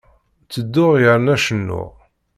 Ttedduɣ yerna cennuɣ.